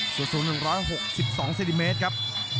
ส่วนศูนย์๑๖๒ซินิเมตรครับ